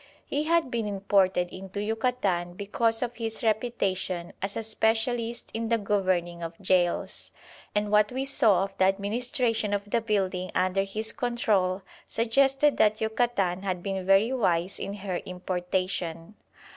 He had been imported into Yucatan because of his reputation as a specialist in the governing of gaols, and what we saw of the administration of the building under his control suggested that Yucatan had been very wise in her importation.